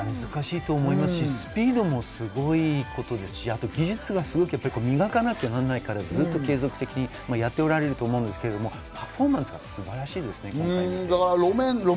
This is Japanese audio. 難しいと思いますし、スピードもすごいことですし、技術がすごく磨かなきゃならないから、ずっと継続的にやっておられると思いますがパフォーマンスが素晴らしいですね。